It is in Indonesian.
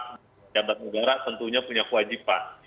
pejabat negara tentunya punya kewajiban